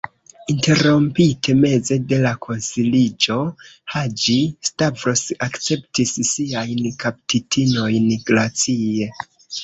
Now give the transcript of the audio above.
Interrompite meze de la konsiliĝo, Haĝi-Stavros akceptis siajn kaptitinojn glacie.